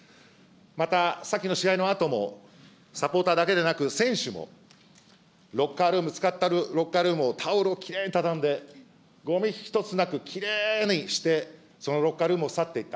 また、先の試合のあとも、サポーターだけでなく選手も、ロッカールーム、使ったロッカールームをタオルをきれいに畳んで、ごみ一つなくきれいにしてそのロッカールームを去っていった。